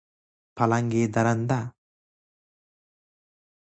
پلنگ درنده